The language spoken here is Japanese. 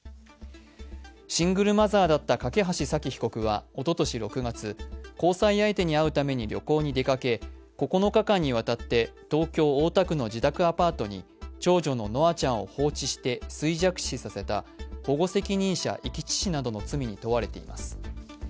シングルマザーだった梯沙希被告はおととし６月、交際相手に会うために旅行に出かけ、９日間にわたって東京・大田区の自宅アパートに長女の稀華ちゃんを放置して衰弱死させた保護責任者遺棄致死などの罪に問われています。